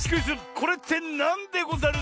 「これってなんでござる」